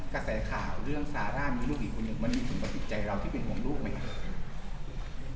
กระแสข่าวเรื่องซาร่ามีลูกอีกคนหนึ่งมันมีผลกระทบใจเราที่เป็นห่วงลูกไหมครับ